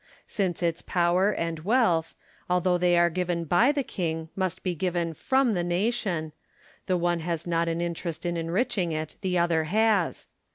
Since its power and wealth, although they are given hy the king, must be given from the nation, — the one has not an interest in enriching it, the other has.